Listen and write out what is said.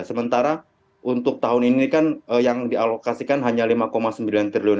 sementara untuk tahun ini kan yang dialokasikan hanya lima sembilan triliun